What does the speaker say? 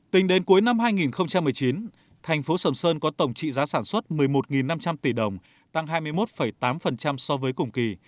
tính đến cuối năm hai nghìn một mươi chín thành phố sầm sơn có tổng trị giá sản xuất một mươi một năm trăm linh tỷ đồng tăng hai mươi một tám so với cùng kỳ